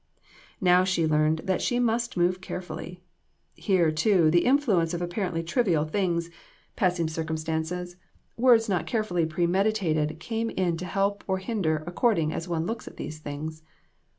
Now she learned that she must move carefully. Here, too, the influence of apparently trivial things, passing 286 INTRICACIES. circumstances, words not carefully premeditated came in to help or hinder according as one looks at these things.